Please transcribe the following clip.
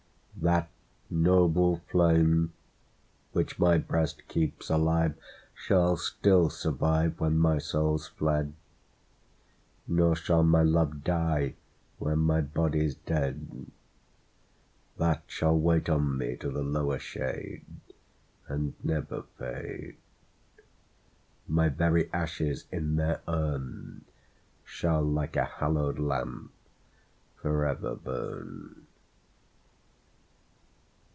That noble flame, which my Ijreast keeps alive. Shall still survive Wlien my soul's fled ; Nor shall my love die, when ray Ijody's dead ; That shall wait on me to the lower shade, And never fade : My very ashes in their urn Shall, like a hallowed lamp, for ever burn.